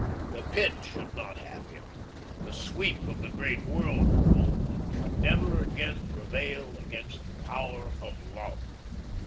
The Pit should not have him; the sweep of that great whirlpool should never again prevail against the power of love.